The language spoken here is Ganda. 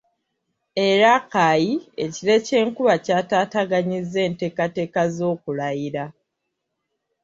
E Rakai ekire ky’enkuba kyataataaganyizza enteekateeka z’okulayira.